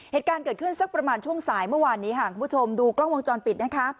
เหตุการณ์เกิดขึ้นสักประมาณช่วงสายเมื่อวานนี้ค่ะคุณผู้ชมดูกล้องวงจรปิดนะคะ